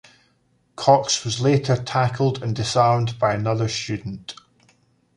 Cox was later tackled and disarmed by another student.